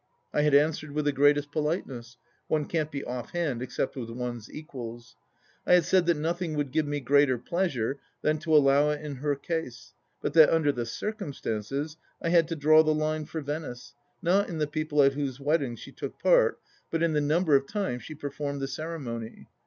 I had answered with the greatest politeness. One can't be offhand except with one's equals. I had said that nothing would give me greater pleasure than to allow it in her case, but that under the circumstances, I had to draw the line for Venice, not in the people at whose weddings she took part, but in the number of times she per formed the ceremony.